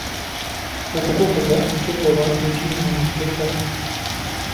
Okukukusa kikolwa ekimenya mateeka.